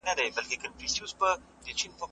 هغه څوک چي جواب ورکوي پوهه زياتوي!!